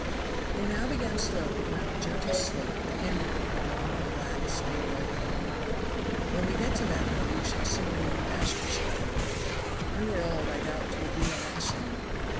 They now began slowly to mount a gentle slope that ended in a long black snakelike hill. "When we get to that hill we shall see my new pasture," said George. "New or old, I doubt 'twill be all the same."